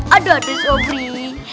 aduh aduh sobri